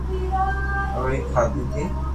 روٽي کاڌي تي